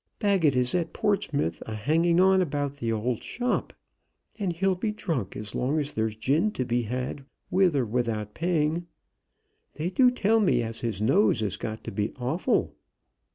Baggett is at Portsmouth, a hanging on about the old shop. And he'll be drunk as long as there's gin to be had with or without paying. They do tell me as his nose is got to be awful.